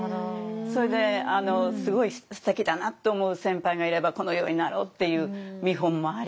それですごいすてきだなって思う先輩がいればこのようになろうっていう見本もあり。